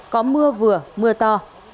có mưa vừa mưa to